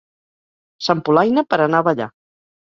S'empolaina per anar a ballar.